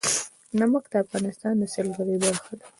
نمک د افغانستان د سیلګرۍ برخه ده.